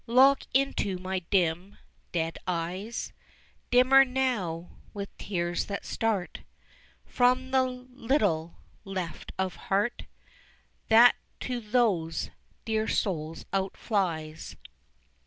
Look into my dim, dead eyes, Dimmer now with tears that start From the little left of heart That to those dear souls outflies.